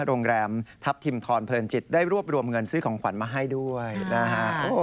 โรงแรมทัพทิมทรเพลินจิตได้รวบรวมเงินซื้อของขวัญมาให้ด้วยนะฮะ